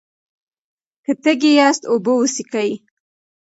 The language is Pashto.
که تږي یاست، اوبه وڅښئ.